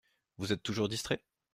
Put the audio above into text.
Vous êtes toujours distrait ?